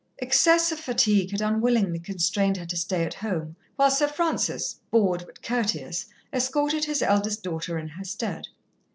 Excess of fatigue had unwillingly constrained her to stay at home, while Sir Francis, bored but courteous, escorted his eldest daughter in her stead.